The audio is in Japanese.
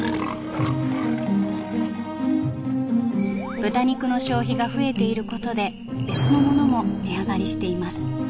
豚肉の消費が増えていることで別のものも値上がりしています。